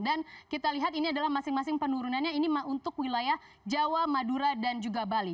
kita lihat ini adalah masing masing penurunannya ini untuk wilayah jawa madura dan juga bali